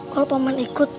kalau pak man ikut